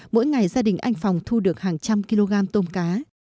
mỗi ngày gia đình anh phòng thu được hàng trăm kg tôm cá